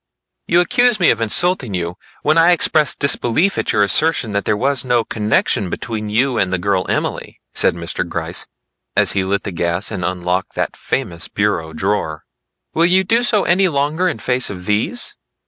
"You accuse me of insulting you, when I express disbelief of your assertion that there was no connection between you and the girl Emily," said Mr. Gryce as he lit the gas and unlocked that famous bureau drawer. "Will you do so any longer in face of these?"